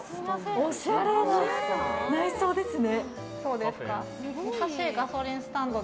おしゃれな内装ですね。